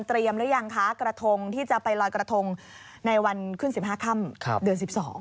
เตรียมหรือยังคะกระทงที่จะไปลอยกระทงในวันขึ้นสิบห้าค่ำเดือนสิบสอง